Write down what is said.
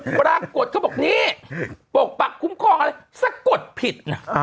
ปรากฏเขาบอกนี่ปกปักคุ้มครองอะไรสะกดผิดนะ